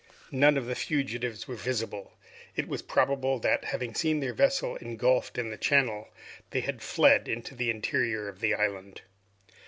None of the fugitives were visible. It was probable that, having seen their vessel engulfed in the channel, they had fled into the interior of the island.